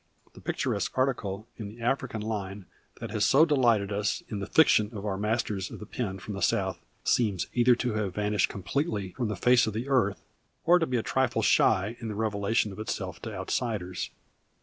The picturesque article in the African line that has so delighted us in the fiction of our masters of the pen from the South seems either to have vanished completely from the face of the earth or to be a trifle shy in the revelation of itself to outsiders.